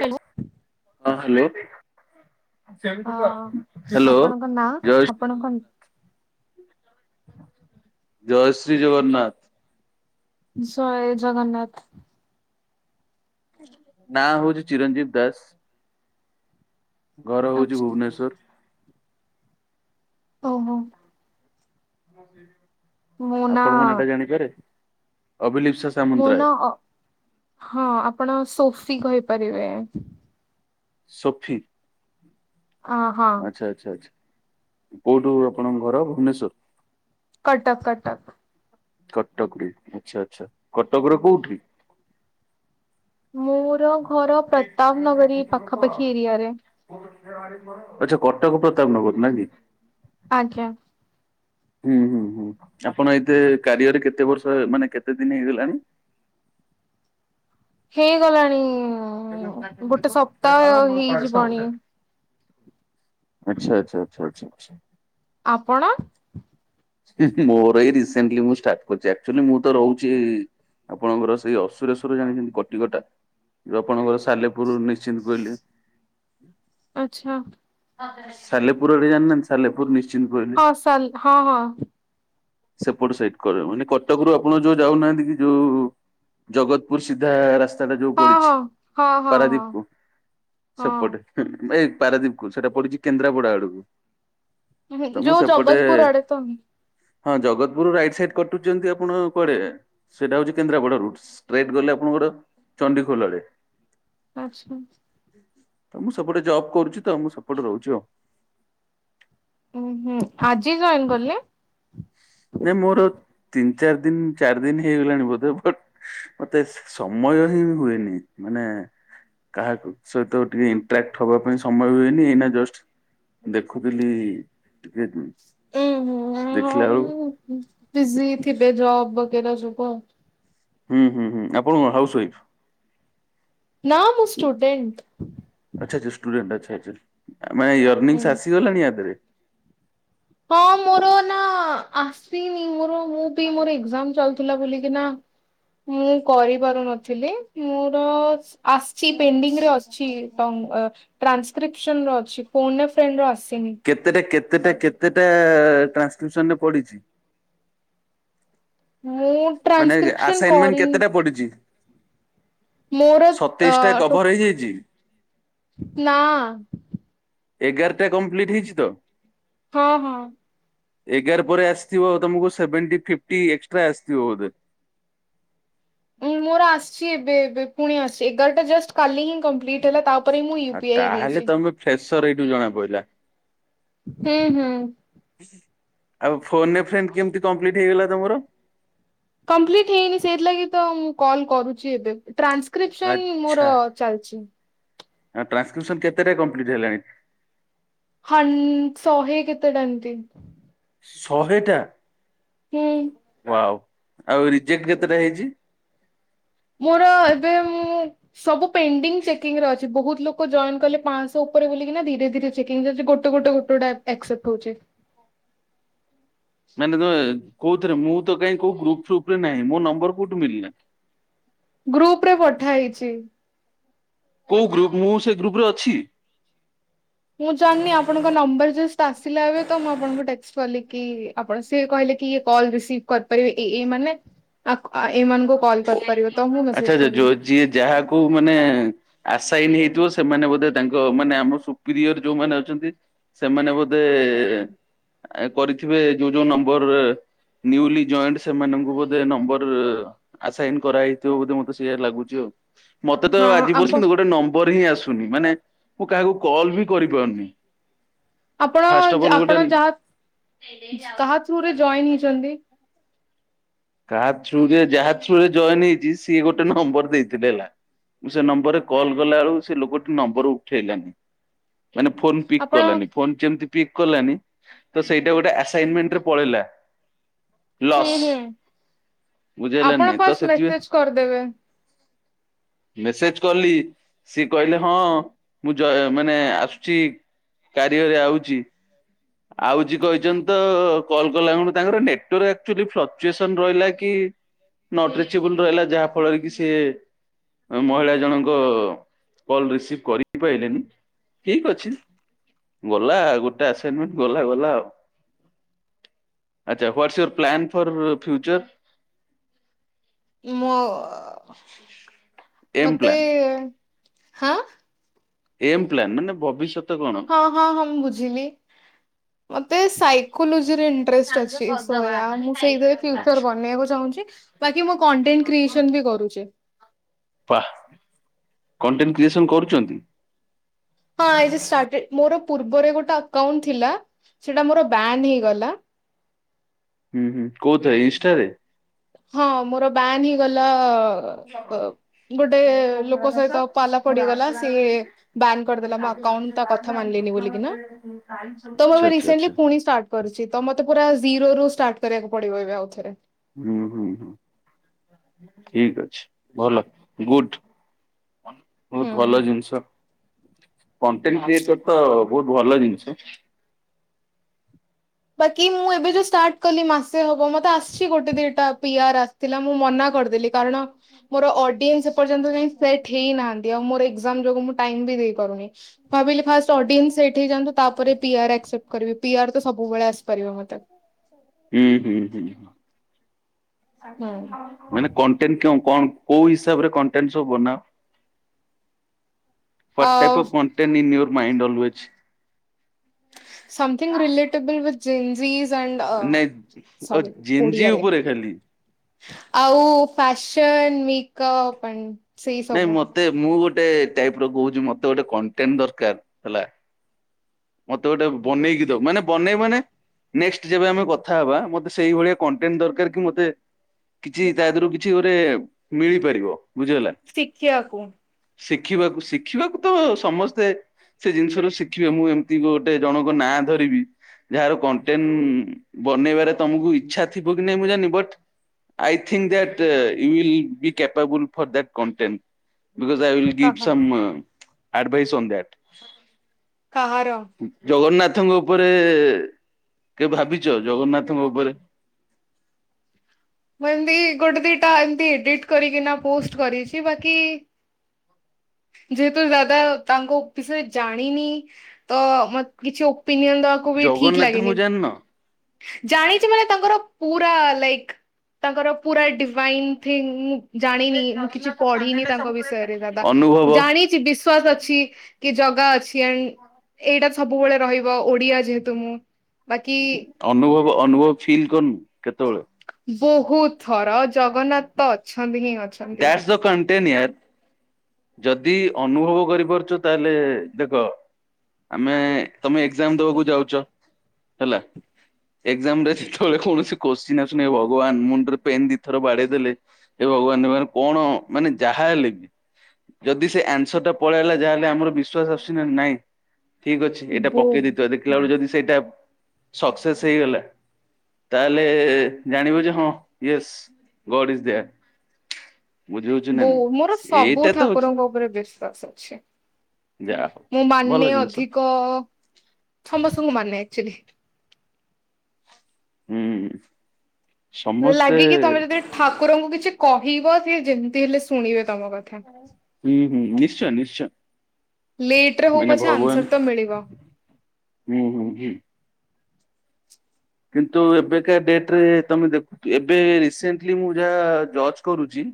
Hello. ହଁ hello. ହଁ hello ଆପଣଙ୍କ ନାଁ ଜୟ। ଆପଣଙ୍କ ଜୟ ଶ୍ରୀ ଜଗନ୍ନାଥ। ସଏ ଜଗନ୍ନାଥ। ନାଁ ହଉଛି ଚିରଜିବିଦାସ। ଘର ହଉଛି ଆଚ୍ଛା। ଭୁବନେଶ୍ଵର ଓ ହୋ। ମୋ ଆପଣଙ୍କ ନାଁ ନାଟା ଜାଣିପାରେ ଅଭିଲି ସା। ମୁୋ ନା ଅ ହଁ ଆପଣ ସୋଫି କହିପାରିବେ ସୋଫି ଅ ହଁ ଆଛା ଆଛା ଆଛା। କୋଉଠୁ ଆପଣଙ୍କ ଘର ଭୁବନେଶ୍ଵର? କଟକ କଟକ। କଟକରେ ଆଚ୍ଛା ଆଛା କଟକର କୋଉଠି। ମୋର ଘର ପ୍ରତାପ ନଗରୀ ପାଖାପାଖି ଏରିଆରେ ଆଛା କଟକ ପ୍ରତାପ ନଗର ନାକିି? ଆଜ୍ଞା। ହୁଁ ହୁଁ ହୁଁ ଆପଣ ଏତେ କାରିଆରେ କେତେ ବର୍ଷ ମାନେ କେତେ ଦିନ ହେଇଗଲାଣି? ହେଇଗଲାଣି। ଗୋଟେ ଖ ସପ୍ତାହ ଆମର ପା ହେଇଯିବଣି। [unintelligible] ଆଚ୍ଛା ଆଚ୍ଛା ଆଚ୍ଛା ଆ। ଆପଣ? ମୋର ଏଇ ରିସେଣ୍ଟଲି ମୁଁ ଷ୍ଟାର୍ଟ କରୁଛି ଆପଚୁଆଲି ମୁଁ ତ ରହୁଚି ଆପଣଙ୍କର ସେଇ ଅଶିରଶ୍ୱର ଜାଣିଛନ୍ତି କଟିିକଟା। ଯେଉଁ ଆପଣଙ୍କର ସାଲେପୁରୁ ନିଶ୍ଚିନ୍ତକୋଇଲି। ଆଚ୍ଛା। ସାଲେପୁର [unintelligible] ସାଲେପୁର ମି ହଁ ସାଲ ହଁ ହଁ। ସେପଟ ସଇଟ କର ମାନେ କଟକ ରୁ ଆପଣ ଯୋଉ ଯାଉନାହାନ୍ତି କି ଯୋଉ ଜଗତପୁର ସିଧା ରାସ୍ତା ଟା ଯୋଉ ହଁ ପଡିଚି ହଁ। ହଁ ହଁ ହଁ ପାରାଦୀପ କୁ ସେପଟେ। ଏଇ ପାରାଦୀପ କହୁଚି ସେଇଟା ପଡ଼ିଛି କେନ୍ଦ୍ରାପଡା ଆଡକୁ। ତ ମୁଁ ଯୋଉ ସେପଟେ ଜଗତପୁର ଆଡେ ତ? ହଁ ଜଗତପୁର ରାଇଟ ସାଇଡ କଟୁଚନ୍ତି ଆପଣ କୁଆଡେ? ସେଇଟା ହଉଚି କେନ୍ଦ୍ରାପଡା ରୁଟ। ଷ୍ଟ୍ରେଟ୍ ଗଲେ ଆପଣଙ୍କର ଚଣ୍ଡିଖୋଲ ଆଡେ। ଆଛା। ତ ମୁଁ ସେପଟେ ଜବ୍ କରୁଚି ତ ମୁଁ ସେପଟେ ରହୁଚି ଆଉ। ଉୁଁ ହୁଁ ଆଜି ଜଏନ କଲେ? ନାଇ ମୋର ତିନି ଚାରି ଦିନ ଚାରି ଦିନ ହେଇଗଲାଣି ବୋଧେ ବଟ ମତେ ସମୟ ହିଁ ହୁଏନି। ମାନେ କାହା ସହିତ ଟିକେ ଇଣ୍ଟାକ୍ଟ ହବା ପାଇଁ ସମୟ ହୁଏନି। ଏଇନା ଜଷ୍ଟ ଦେଖୁଥିଲି ଟିକେ ଦେଖିଲା ବେଳକୁ ବିଜି ଥିବେ ଜବ୍ ବଗେରା ଯୋଗୁଁ। ହୁଁ ହୁଁ ହୁଁ। ଆପଣ କଣ ହାଉସୱଇଫ? ନା ମୁଁ ଷ୍ଟୁଡେଣ୍ଟ। ଆଚ୍ଛା ଆଚ୍ଛା ଷ୍ଟୁଡେଣ୍ଟ୍ ଆଚ୍ଛା ଆଚ୍ଛା। ମା ୟରନିଙ୍ଗସ୍ ଆସିଗଲାଣି ୟା ଦେହରେ? ହଁ ମୋର ନା ଆସିନି ମୋର ମୁଁ ବି ମୋର ଏଗଜାମ ଚାଲ ଥିଲା ବୁଲିକି ନା ମୁଁ କରିପାରୁନଥିଲି। ମୋର ଆସିଚି ପେଣ୍ଡିଙ୍ଗ ରେ ଅଛି ଟ ଅ ଟ୍ରାନ୍ସକ୍ରିପସନ ର ଅଛି ଫୋନ୍ ଏ ଫ୍ରେଣ୍ଡ ର ଆସିନି। କେତେଟା କେତେଟା କେତେଟା ଟ୍ରାନ୍ସକ୍ରିପ୍ସନ ରେ ପଡିଚି? ମୁଁ ମାନେ ଟ୍ରାନ୍ସକ୍ରିପସନ ଆସାଇନମେଣ୍ଟ କରିନି କେତେଟା ପଡିଚି? ମୋର ସତେଇଶ ଟା ଅ କଭର ହେଇଯାଇଚି? ନା। ଏଗାରଟା କମ୍ପ୍ଲିଟ୍ ହେଇଚି ତ? ହଁ ହଁ। ଏଗାର ପରେ ଆସିଥିବ ତମକୁ ସେଭେଣ୍ଟି ଫିପ୍ଟ ଏକ୍ସଟ୍ରା ଆସିଥିବ ବୋଧେ? ଉଁ ମୋର ଆସିଚି ଏବେ ଏବେ ପୁଣି ଆସିଚି ଏଗାରଟା ଜଷ୍ଟ କାଲି ହିଁ କମ୍ପ୍ଲିଟ ହେଲା ତାପ ମୁଁ ୟୁ ପି ଆଇ ଦେଇଚି। ଫ୍ରେଶର ଏଇଠୁ ଜଣା ପଇଲା। ହୁଁ ହୁଁ। ଆଉ ଫୋନ ଏ ଫ୍ରେଣ୍ଡ୍ କେମିତି କମ୍ପ୍ଲିଟ ହେଇଗଲା ତମର? କମ୍ପିଲଟି ହେଇନି ସେଇଥିଲାଗି ତ ମୁଁ କଲ କରୁଚି ଏବେ। ଟ୍ରାନ୍ସକ୍ରିପ୍ସନ ମୋର ଚାଲିଚି। ଆଁ ଟ୍ରାସକ୍ରିପସନ କେତେଟା କମ୍ପିଲ୍ଟ ହେଲାଣି? ହ ଶହେ କେତେଟା ଏମିତି ଶହେଟା ହୁଁ। ବାଓ ଆଉ ରିଜେକ୍ଟ କେତେଟା ହେଇଚି? ମୋର ଏବେ ମୁଁ ସବୁ ପେଣ୍ଡିଙ୍ଗ ଚେକିଂ ର ଅଛି ବହୁତ ଲୋକ ଜଏନ୍ କଲେ ପାଞ୍ଚଶହ ଉପରେ ବୁଲିକି ନା ଧୀରେ ଧୀରେ ଚେକିଂରେ ଅଛି ଗୋଟେ ଗୋଟେ ଗୋଟେ [unintelligible] ମାନେ ତ କୋଉଥରେ ମୁଁ ତ କାଁ କୋଉ ଗ୍ରୁପପ ରେ ନାହିଁ ମୋ ନମ୍ବର କୋଉଠୁ ମିଳିଲା। ଗ୍ରୁପ ରେ ପଠା ହେଇଛି? କୋଉ ଗ୍ରୁପ ମୁଁ ସେ ଗ୍ରୁପରେ ଅଛି? ମୁଁ ଜାଣିନି ଆପଣଙ୍କ ନମ୍ବର ଯଷ୍ଟ ଆସିଲା ଏବେ ତ ମୁଁ ଆପଣଙ୍କୁ ଟେସ୍ କଲିକି ଆପଣ ସିଏ କହିଲେ କି ଇଏ କଲ ରିସିଭ କରିପାରିବେ ଏଇ ଏଇ ମାନେ ଆ ଏମାନଙ୍କୁ କଲ୍ କରିପାରିବ ତ ମୁଁ ଆଚ୍ଛା ମେସେଜ ଆଚ୍ଛା କଲି। ଯୋଉ ଯିଏ ଯାହାକୁ ମାନେ ଆଶାୟନ ହେଇଥିବ ସେମାନେ ବୋଧେ ତାଙ୍କ ମାନେ ଆମ ସୁପିରିୟର ଯୋଉମାନେ ଅଛନ୍ତି, ସେମାନେ ବୋଧେ କରିଥିବେ ଯୋଉ ଯୋଉ ନମ୍ବର ନ୍ୟୁୟୁଲି ଜଏଣ୍ଟ ସେମାନଙ୍କୁ ବୋଧେ ନମ୍ବର ଆସାଇନ କରାହେଇଥିବ ବୋଧେ ମତେ ସେଇଆ ଲାଗୁଛି ଆଉ, ମତେ ତ ହଁ ଆଜି ଆପ ପର୍ଯ୍ୟନ୍ତ ଗୋଟେ ନମ୍ବର ନମ୍ବର ହିଁ ଆସୁନି। ମାନେ ମୁଁ କାହାକୁ କଲ୍ ବି କରିପାରୁନି। ଆପଣ, ଫାଷ୍ଟ ଅଫ୍ ଅଲ୍ ଗୋଟେ ଆପଣ ଯାହା କାହା ଥ୍ରୁରେ ଜଏନ ହେଇଛନ୍ତି? କାହା ଥରେ ଯାହା ଥରେ ଜଏନ ହେଇଛି ସିଏ ଗୋଟେ ନମ୍ବର ଦେଇଥିଲେ ହେଲା। ମୁଁ ସେ ନମ୍ବରରେ କଲ୍ ଗଲା ବେଳକୁ ସେ ଲୋକଟି ନମ୍ବର ଉଠେଇଲାନି। ମାନେ ଫୋନ ପିକ ଆପଣ କଲା ନି, ଫୋନ ଯେମତି ପିକ କଲାନି ତ ସେଇଟା ଗୋଟେ ଆସଇମେଣ୍ଟରେ ପଳେଇଲା। ହୁଁ ଲସ୍। ହୁଁ ବୁଝିହେଲାନି ଆପଣ ନାଇଁ ତ ଫାଷ୍ଟ ସେଥିପାଇଁ ମେସେଜ କରିଦେବେ? ମେସେଜ କଲି ସିଏ କହିଲେ ହଁ, ମୁଁ ମାନେ ଆସୁଛି କାରିୟରେ ଆଉଚି। ଆଉଚି କହିଛନ୍ତି ତ କଲ୍ କଲା ବେଳୁ ତାଙ୍କର ନେଟୱାର୍କ ଆଚ୍ୟୁଲି [unintelligible] [unintelligible] ରହିଲା କି ନଟିରିଚେବଲ ରହିଲା ଯାହା ଫଳରେ କି ସିଏ ମହିଳା ଜଣଙ୍କ କଲ ରିସିଭ କରିପାରିଲେନି। ଠିକ ଅଛି ଗଲା ଗୋଟେ ଆସନମେଣ୍ଟ ଗଲା, ଗଲା ଆଉ। ଆଚ୍ଛା what's your plan for future? ମଁ ଏମ୍ ମତେ ପ୍ଲାନ୍ ହାଁ, ଏମ ପ୍ଲାନ୍ ମାନେ ଭବିଷ୍ୟତ କଣ? ହଁ, ହଁ, ହଁ ମୁଁ ବୁଝିଲି। ମତେ ସାଇ ସାଇକ୍ଲୋଲଜିରେ ଇଣ୍ଟ୍ରେଷ୍ଟ ଅଛି। ସୋୟା ମୁଁ ସେଇଥିରେ ଫ୍ୟୁଚର ବନେଇବାକୁ ଚାହୁଁଛି। ବାକି ମୁଁ କଣ୍ଟେଣ୍ଟ କ୍ରିଏସନ ବି କରୁଛି। ବୋପା କଣ୍ଟେଣ୍ଟକ୍ରିଏସନ କରୁଛନ୍ତି? ହଁ ଏ ଷ୍ଟାଷ୍ଟ ମୋର ପୂର୍ବରେ ଗୋଟେ ଆକାଉଣ୍ଟ ଥିଲା ସେଟା ମୋର ବାନ୍ ହେଇଗଲା। ହୁଁ, ହୁଁ କେଉଁଥିରେ ଇନଷ୍ଟାରେ? ହଁ ମୋର ବ୍ୟାନ ହେଇଗଲା ଅ ଗୋଟେ ଲୋକ ସହିତ ପାଲା ପଡିଗଲା ସିଏ ବ୍ୟାନ୍ କରିଦେଲା ଆଚ୍ଛା ମୋ ଆଚ୍ଛା ଆଉଣ୍ଟ ଟା, ତା କଥା ମାନିଲିନି ବୋଲି କି ନା, ତ ମୁଁ ଏବେ ରିସେଣ୍ଟେଲି ଆଚ୍ଛା ପୁଣି ଷ୍ଟାଟ କରିଛି। ତ ମତେ ପୁରା ଜିରୋ ରୁ ଷ୍ଟାର୍ଟ କରିବାକୁ ପଡିବ ଏବେ ଆଉଥରେ? [unintelligible] ହୁଁ ଠିକ ଅଛି। ଭଲ, ଗୁଡ୍। ବହୁତ ଭଲ ହୁଁ। ଜିନିଷ କଣ୍ଟେଣ୍ଟ କ୍ରିଏଟର ତ ବହୁତ ଭଲ ଜିନିଷ। ବାକି ମୁଁ ଏବେ ଯୋଉ ଷ୍ଟାର୍ଟ କଲି ମାସେ ହବ। ମତେ ଆସିଛି ଗୋଟେ ଦିଟା ପିଆରା ଥିଲା। ମୁଁ ମନା କରିଦେଲି, କାରଣ ମୋର ଅଡିଏନ୍ସ ଏପର୍ଯ୍ୟନ୍ତ ସେଟ୍ ହେଇନାହାନ୍ତି। ଆଉ ମୋର ଏକ୍ଜାମ ଯୋଗୁ ମୁଁ ଟାଇମ ବି ଦେଇପାରୁନି। ଭାବିଲି ଫାଷ୍ଟ ଅଡିଏନ୍ସ ସେଟ୍ ହୋଇ ଯାନ୍ତୁ। ତାପରେ ପିଆର୍ ଆକ୍ସେପ୍ଟ କରିବି। ପିଆର ତ ସବୁବେଳେ ଆସିପାରିବ ମତେ। ହୁଁ, ହୁଁ, ହୁଁଁ। ହଁ। ମାନେ କଣ୍ଟେଣ୍ଟ କେଉଁ କଣ କୋଉ ହିସାବରେ କଣ୍ଟେଣ୍ଟ ସବୁ ବନାଅ। ଆ what photo content in your mind always. Something relatable ବି୍ ଜିନ୍ଜିସ୍ ଚାଓଲ୍ଡ ଅ ନାଇଁ ସରି ଜେଞ୍ଜି ଓଡ଼ିଆରେ ଉପରେ ଖାଲି ଆଉ ଫ୍ୟାସନ୍ ମିକଅପ ପାଣି ନାଇଁ ମତେ ମୁଁ ଗୋଟେ ଟାଇପ ର କହୁଛି ମତେ ଗୋଟେ କଣ୍ଟେନ୍ ଦରକାର ହେଲା ମତେ ଗୋଟେ ବନେଇକି ଦଉ ମାନେ ବନେଇ ମାନେ ନେକ୍ସଟ ଯେବେ ଆମେ କଥା ହବା ମତେ ସେଇଭଳିଆ କଣ୍ଟେନ୍ ଦରକାର କି ମତେ କିଛି ତା ଦେହରୁ କିଛି ଗୁରେ ମିଳିପାରିବ ବୁଝିହେଲା। ଶିଖିବାକୁ। ଶିଖିବାକୁ ଶିଖିବାକୁ ତ ସମସ୍ତେ ସେ ଜିନିଷରୁ ଶିଖିବେ ମୁଁ ଏମିତି ଗୋଟେ ଜଣଙ୍କ ନାଁ ଧରିବି ଯାହାର କଣ୍ଟେନ୍ ବନେଇବାରେ ତମକୁ ଇଛା ଥିବ କି ନାଇଁ ମୁଁ ଜାଣିନି but I think that you will be capable for that content because I will give କାହା ସମ୍ ଆଡଭାଇସ୍ ଅନ ଦ୍ୟାଟ୍। କାହାର? ଜଗନ୍ନାଥଙ୍କ ଉପରେ କେବେ ଭାବିଛ ଜଗନ୍ନାଥଙ୍କ ଉପରେ? ମୁଁ ଏମତି ଗୋଟେ ଦିଟା ଏମିତି ଇଡିଟ କରିକିନା ପୋଷ୍ଟ କରିଚି ବାକି ଯେହେତୁ ଦାଦା ତାଙ୍କ ଓପିଶିରେ ଜାଣିନି ତ ମତ୍ କିଛି ଓପିନିଅନ ଦବାକୁ ବି ଠିକ ଜଗନ୍ନାଥଙ୍କୁ ଲାଗେନି। ଜାଣିନ ଜାଣିଛି ମାନେ ତାଙ୍କର ପୁରା ଲାଇକ୍ ତାଙ୍କର ପୁରା ଡିଭାଇନ ଥିଙ୍ଗ ମୁଁ ଜାଣିନି ମୁଁ କିଛି ପଢିନି ତାଙ୍କ ବିଷୟରେ ଦାଦା ଅନୁଭବ ଜାଣିଚି ବିଶ୍ ଶ୍ୱାସ ଅଛି କି ଜଗା ଅଛି ଏଣ୍ଡ ଏଇଟା ସବୁବେଳେ ରହିବ ଓଡିଆ ଯେହେତୁ ମୁଁ ବାକି ଅନୁଭବ ଅନୁଭବ ଫିଲ୍ କରିନୁ କେତେଓଳେ? ବହୁତଥର ଜଗନ୍ନାତ ଅଛନ୍ତି ହିଁ ଅଛନ୍ତି। ଦ୍ୟାଟ୍ସ ଦ କଣ୍ଟେନ ୟାର୍ ଯଦି ଅନୁଭବ କରିପାରୁଚ ତାହେଲେ ଦେଖ ଆମେ ତମେ ଏକ୍ଜାମ ଦେବାକୁ ଯାଉଚ ହେଲା ଏକ୍ସାମରେ ଯେତେବେଳେ କୌଣସି କୋଶ୍ଚିନ୍ ଆସୁନି ହେ ଭଗବାନ ମୁଣ୍ଡରେ ପେନ୍ ଦିତ୍ ଥର ବାଡେଇ ଦେଲେ ହେ ଭଗବାନ ମାନେ କଣ ମାନେ ଯାହା ହେଲେ ବି ଯଦି ସେ ଆନ୍ସର ଟା ପଳେଆଇଲା ଯାହେଲେ ଆମର ବିଶ୍ଵାସ ଆସୁଚି ନା ନାଇଁ। ଠିକ ଅଛି ଏଇଟା ପକେଇ ଦେଇଥିବା ଦେଖିଲା ବୋ ବେଳୁ ଯଦି ସେଇଟା ସକ୍ସେସ ହେଇଗଲା ତାହେଲେ ଏ ଜାଣିବ ଯେ ହଁ ୟେସ୍ ଗଡ ଇଜ ଦେୟାର। ବୁଝିହଉଛି ନା ବୋଉ ନାଇଁ ମୋର ସବୁ ଏଇଟା ତ ହଉଛି ଠାକୁରଙ୍କ ଉପରେ ବିଶ୍ଵାସ ଅଛି। ଯାହା ହଉ ମୁଁ ଭଲ ମାନେ ଜିନିଷ ଅଧିକ ସମସ୍ତଙ୍କୁ ମାନେ ଆକ୍ଚୁଲି। ହୁଁ। ସମସ୍ତେ ଲାଗେକି ତମେ ଯଦି ଠାକୁରଙ୍କୁ କିଛି କହିବ ସିଏ ଯେମିତି ହେଲେ ଶୁଣିବେ ତମ କଥା। ହୁଁ ହୁଁ ନିଶ୍ଚୟ ନିଶ୍ଚୟ। ଲେଟ୍ ରେ ହଉ ମାନେ ପଛେ ଭଗବାନ ଆନ୍ସର ତ ମିଳିବ। ହୁଁ ହୁଁ ହୁଁ। କିନ୍ତୁ ଏବେକା ଡେଟରେ ତମେ ଦେଖୁଥି ଏବେ ରିସେଣ୍ଟଲି ମୁଁ ଯାହା ଜଜ କରୁଚି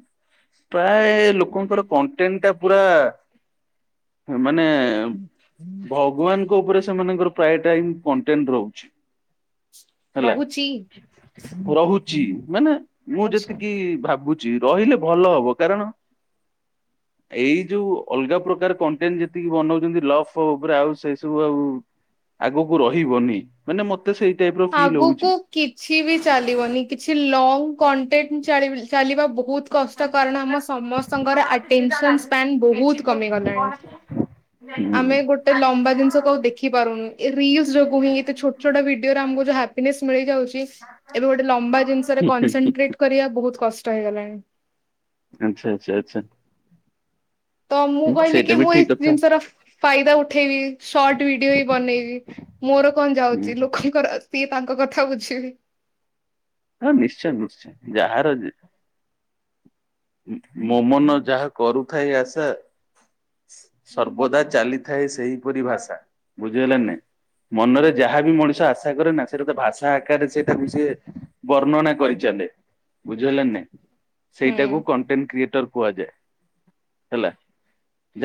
ପ୍ରାୟ ଲୋକଙ୍କର କଣ୍ଟେନ୍ ଟା ପୁରା ହ ମାନେ ଭଗବାନଙ୍କ ଉପରେ ସେମାନଙ୍କର ପ୍ରାୟ ଟାଇମ କଣ୍ଟେଣ୍ଟ ରହୁଛି। ହେଲା ରହୁଛି। ରହୁଚି ମାନେ ମୁଁ ଆଚ୍ଛା। ଯେତିକି ଭାବୁ ଚି ରହିଲେ ଭଲ ହବ କାରଣ। [inaudible] ଏଇ ଯୋଉ ଅଲଗା ପ୍ରକାର କଣ୍ଟେଣ୍ଟ ଯେତିକି ବନଉଚନ୍ତି ଲଭ ଫଭ୍ ଉପରେ ଆଉ ସେ ସବୁ ଆଉ। ଆଗକୁ ରହିବନି ମାନେ ମତେ ସେ ଆଗୁକୁ। କିଛି ବି ଚାଲିବନି କିଛି ଲଙ୍ଗ କଣ୍ଟେଣ୍ଟ ଚାଳି ଚାଲିବା ବହୁତ୍। କଷ୍ଟ କାରଣ ଆମ ସମସ୍ତଙ୍କର ଅଟେନ୍ସନ ସ୍ପାନ୍ ବହୁତ୍ କମି ଗଲାଣି। ହୁଁ। ଆମେ ଗୋଟେ ଲମ୍ବା ଦିନିଷକୁ ଆଉ ଦେଖି ପାରୁନୁ ଏ ରିଲସ୍ ଯୋଗୁ ହିଁ ଏତେ ଛୋଟ ଛୋଟ ଭିଡି ଡିଓ ରୁ ଆମକୁ ଯୋଉ ହାପିନେସ ମିଳିଯାଉଛି ଏବେ ଗୋଟେ ଲମ୍ବା ଜିନିଷ ରେ କନସେନଟ୍ରେ ଟ୍ରେଟ୍ କରିବା ବହୁତ କଷ୍ଟ ହେଇଗଲାଣି। ଆଛା ଆଛା ଆଛା। ତ ମୁଁ କହିଲି କି ମୁଁ ଏଇ କଥା। ଜିନିଷର ଫାଇଦା ଉଠେଇବି ସର୍ଟ ଭିଡିଓ ହି ବନେଇବି। ମୋର କଣ ହୁଁ। ଯାଉଛି ଲୋକଙ୍କର ସିଏ ତାଙ୍କ କଥା ବୁଝିବେ। ହଁ ନିଶ୍ଚୟ ନିଶ୍ଚୟ ଯାହାର ଯେ ମୋ ମନ ଯାହା କରୁଥାଏ ଆଶା। ସର୍ବଦା ଚାଲିଥାଏ ସେଇପରି ଭାଷା ବୁଝିହେଲା ନା ନାଇଁ ମନରେ। ଯାହା ବିି ମଣିଷ ଆଶା କରେ ନା ସେଇଟା ତା ଭାଷା ଆକାରରେ ସେଇଟା ବି ସେ ବର୍ଣ୍ଣନା କରିଚାଲେ। ବୁଝିହେଲା ନା ନାଇଁ ହୁଁ ସେଇଟାକୁ କଣ୍ଟେଣ୍ଟ କ୍ରିଏଟର କୁହାଯାଏ ହେଲା।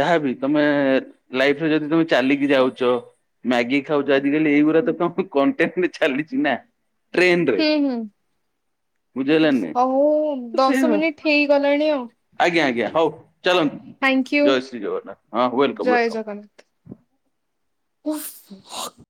ଯାହାବି ତମେ ଲାଇଫରେ ଯଦି ତମେ ଚାଲିକି ଯାଉଚ। ମାଗିକି ଖାଉଚ ଆଜିକାଲି ଏଇଗୁଡା ତ କଣ୍ଟେଣ୍ଟ ଚାଲିଛି ନା। ଟ୍ରେନରେ ହୁଁ ହୁଁ। ବୁଝିହେଲାନି ହଉ ଦଶ ମିନିଟ ହେଇଗଲାଣି ଆଉ। ଆଜ୍ଞା ଆଜ୍ଞା ହଉ ଚାଲନ୍ତୁ ଥ୍ୟାଙ୍କ ୟୁ ଜୟ ଶ୍ରୀ ଜଗନ୍ନାଥ ହଁ ୱେଲକମ୍ ଜୟ ୱେଲକମ୍। ଜଗନ୍ନାଥ। [unintelligible]